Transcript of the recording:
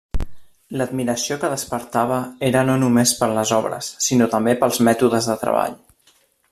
L'admiració que despertava era no només per les obres sinó també pels mètodes de treball.